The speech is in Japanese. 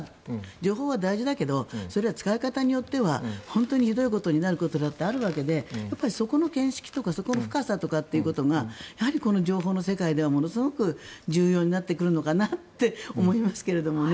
情報は大事だけどそれは使い方によっては本当にひどいことになることだってあるわけでそこの見識とかそこの深さだということがやはりこの情報の世界ではものすごく重要になってくるのかなって思いますけどね。